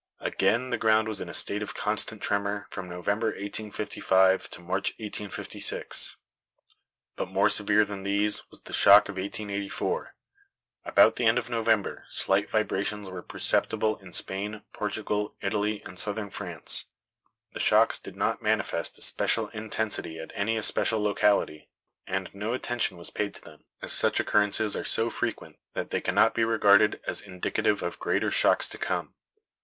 Again the ground was in a state of constant tremor from November, 1855, to March, 1856. But more severe than these was the shock of 1884. About the end of November slight vibrations were perceptible in Spain, Portugal, Italy, and Southern France. The shocks did not manifest especial intensity at any especial locality, and no attention was paid to them, as such occurrences are so frequent that they cannot be regarded as indicative of greater shocks to come.